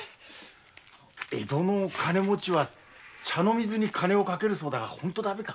江戸の金持ちは茶の水に金をかけるそうだが本当だべか。